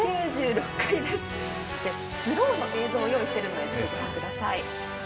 スローの映像を用意しているのでご覧ください。